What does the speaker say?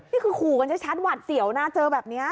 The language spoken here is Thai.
นี่คือขู่กันชัดหวัดเสียวนะเจอแบบนี้